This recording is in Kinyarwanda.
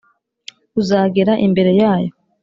uzagera imbere yayo